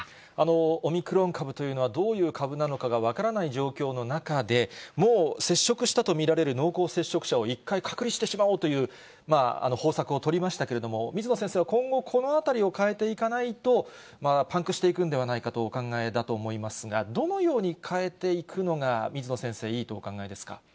オミクロン株というのはどういう株なのかが分からない状況の中で、もう接触したと見られる濃厚接触者を一回隔離してしまおうという方策を取りましたけれども、水野先生は今後、このあたりを変えていかないと、パンクしていくんではないかとお考えだと思いますが、どのように変えていくのが水野先生、いいとお考えですか。